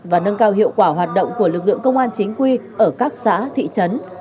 và nâng cao hiệu quả hoạt động của lực lượng công an chính quy ở các xã thị trấn